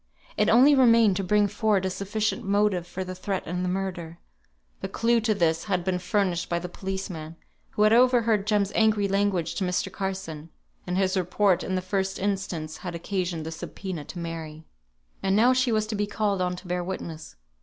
It only remained to bring forward a sufficient motive for the threat and the murder. The clue to this had been furnished by the policeman, who had overheard Jem's angry language to Mr. Carson; and his report in the first instance had occasioned the subpoena to Mary. And now she was to be called on to bear witness.